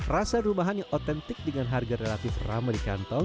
rasa rumahan yang otentik dengan harga relatif rata